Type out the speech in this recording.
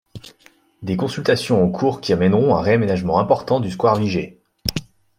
Des consultations ont cours qui amèneront un réaménagement important du Square Viger.